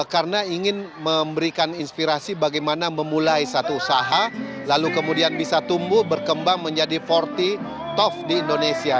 karena ingin memberikan inspirasi bagaimana memulai satu usaha lalu kemudian bisa tumbuh berkembang menjadi empat puluh tof di indonesia